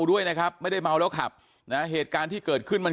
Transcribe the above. ด้วยนะครับไม่ได้เมาแล้วขับนะเหตุการณ์ที่เกิดขึ้นมัน